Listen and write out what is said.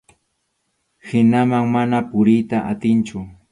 Hinaman mana puriyta atinchu.